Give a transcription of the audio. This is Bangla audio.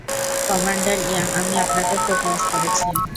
কমান্ডার ইয়াং, আমি আপনাকে খুব মিস করেছি।